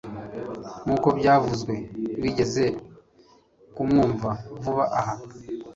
Nkuko byavuzwe, wigeze kumwumva vuba aha?